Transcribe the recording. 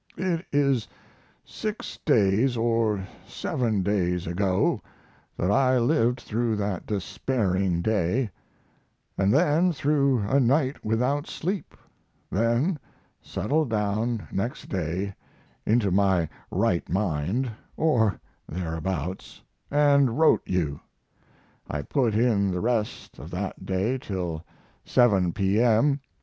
It is six days or seven days ago that I lived through that despairing day, and then through a night without sleep; then settled down next day into my right mind (or thereabouts) and wrote you. I put in the rest of that day till 7 P.m.